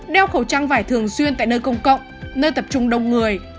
đeo khẩu trang vải thường xuyên tại nơi công cộng nơi tập trung đông người